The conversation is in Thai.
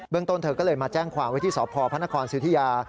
เบื้องต้นเธอก็เลยมาแจ้งความไว้ที่สพศิวธิยา